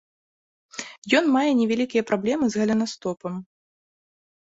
Ён мае невялікія праблемы з галенастопам.